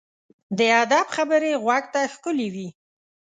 د ادب خبرې غوږ ته ښکلي وي.